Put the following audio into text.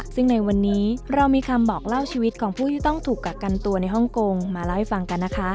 ซึ่งในวันนี้เรามีคำบอกเล่าชีวิตของผู้ที่ต้องถูกกักกันตัวในฮ่องกงมาเล่าให้ฟังกันนะคะ